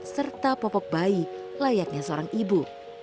serta popok bayi layaknya seorang ibu